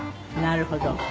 なるほど。